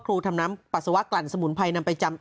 ทำน้ำปัสสาวะกลั่นสมุนไพรนำไปจำ